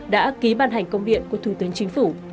đã ký ban hành công điện của thủ tướng chính phủ